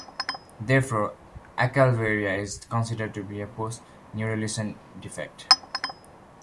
Therefore, acalvaria is considered to be a postneurulation defect.